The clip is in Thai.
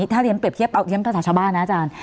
ถ้าเรียนเปรียบเทียบเอาเรียนภาษาชาวบ้านนะอาจารย์